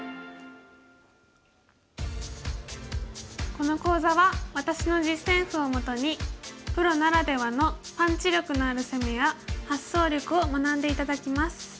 この講座は私の実戦譜をもとにプロならではのパンチ力のある攻めや発想力を学んで頂きます。